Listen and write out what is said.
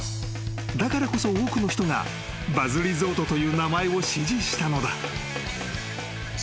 ［だからこそ多くの人がＢＵＺＺＲＥＳＯＲＴという名前を支持したのだ］